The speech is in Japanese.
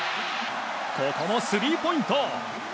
ここもスリーポイント。